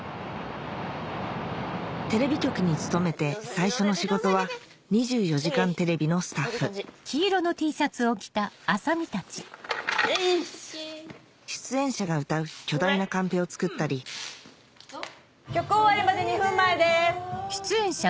テレビ局に勤めて最初の仕事は『２４時間テレビ』のスタッフ出演者が歌う巨大なカンペを作ったり曲終わりまで２分前です。